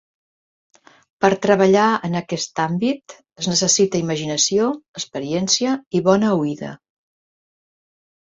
Per treballar en aquest àmbit es necessita imaginació, experiència i bona oïda.